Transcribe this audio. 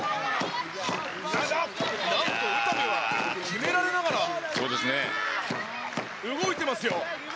ただ、なんと詩美は決められながら動いてますよ。